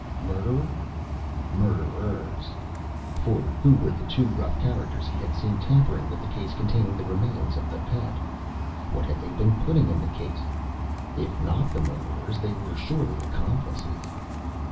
Murderer? Murderers! For who were the two rough characters he had seen tampering with the case containing the remains of the Pet? What had they been putting in the case? If not the murderers, they were surely accomplices.